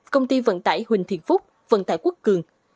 công ty vận tải huỳnh thiện phúc vận tải quốc cường